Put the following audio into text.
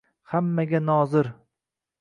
Hammaga hozir